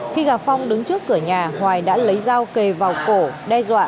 khi gặp phong đứng trước cửa nhà hoài đã lấy dao kề vào cổ đe dọa